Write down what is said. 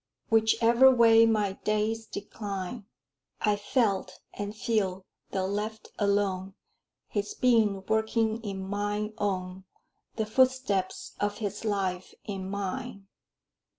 Whichever way my days decline, I felt and feel, though left alone, His being working in mine own, The footsteps of his life in mine.